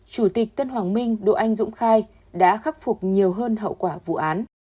chủ tịch tân hoàng minh đỗ anh dũng khai đã khắc phục nhiều hơn hậu quả vụ án